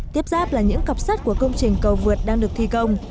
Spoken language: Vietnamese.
tiếp giáp là những cặp sắt của công trình cầu vượt đang được thi công